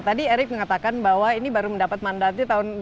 tadi erik mengatakan bahwa ini baru mendapat mandatnya tahun dua ribu lima belas